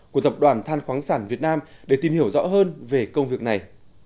của tập đoàn than khoáng sản việt nam để tìm hiểu rõ hơn về công việc này